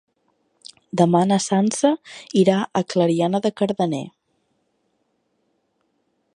Demà na Sança irà a Clariana de Cardener.